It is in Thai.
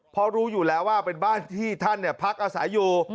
เพราะรู้อยู่แล้วว่าเป็นบ้านที่ท่านพักอาศัยอยู่